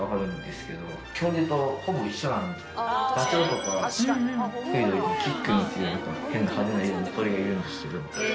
ダチョウとかヒクイドリキックの強い変な派手な色の鳥がいるんですけど。